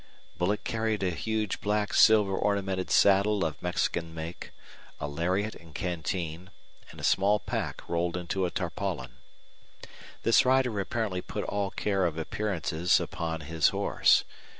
Bullet carried a huge black silver ornamented saddle of Mexican make, a lariat and canteen, and a small pack rolled into a tarpaulin. This rider apparently put all care of appearances upon his horse.